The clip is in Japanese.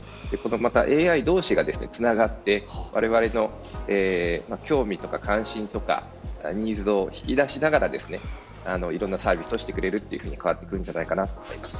また、ＡＩ同士がつながってわれわれの興味とか関心とかニーズを引き出しながらいろんなサービスをしてくれると変わっていくんじゃないかなと思います。